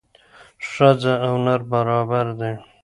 ښځه او نر برابر دي